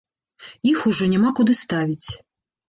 Іх ужо няма куды ставіць.